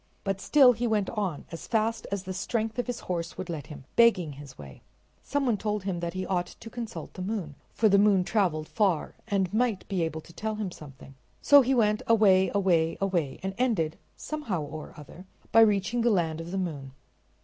But still he went on, as fast as the strength of his horse would let him, begging his way. Some one told him that he ought to consult the moon, for the moon traveled far and might be able to tell him something. So he went away, away, away, and ended, somehow or other, by reaching the land of the moon.